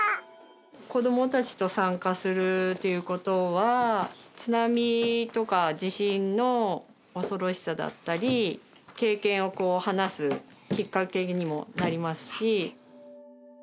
子どもたちと参加するということは、津波とか地震の恐ろしさだったり、経験を話すきっかけにもなりますし。